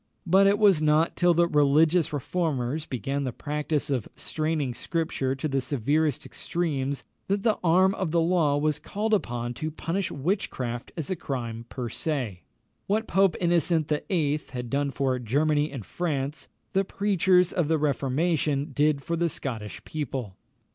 But it was not till the religious reformers began the practice of straining Scripture to the severest extremes that the arm of the law was called upon to punish witchcraft as a crime per se. What Pope Innocent VIII. had done for Germany and France, the preachers of the Reformation did for the Scottish people.